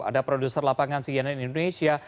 ada produser lapangan segini di indonesia